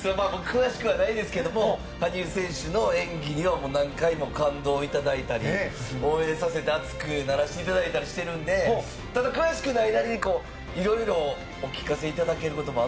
詳しくはないですけど羽生選手の演技には何度も感動をいただいたり応援させて、熱くならせていただいたりしてるんでただ、詳しくないなりにいろいろお聞かせいただけることも